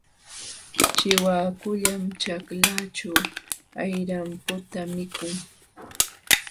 Chiwakullam ćhaklaaćhu ayraputa mikun.